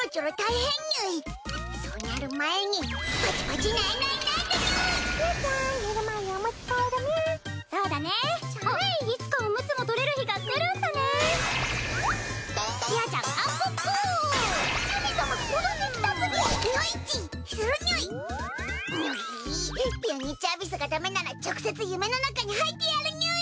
ゆにっちアビスがだめなら直接夢の中に入ってやるにゅい。